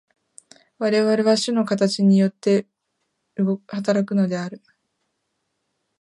我々は種の形によって働くのである。